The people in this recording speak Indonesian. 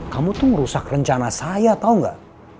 kamu tuh merusak rencana saya tahu gak